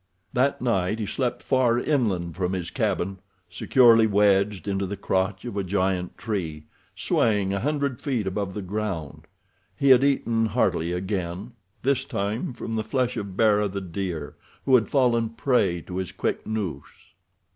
That night he slept far inland from his cabin, securely wedged into the crotch of a giant tree, swaying a hundred feet above the ground. He had eaten heartily again—this time from the flesh of Bara, the deer, who had fallen prey to his quick noose.